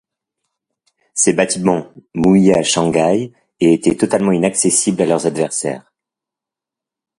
Ces bâtiments mouillaient à Shanghai et étaient totalement inaccessibles à leurs adversaires.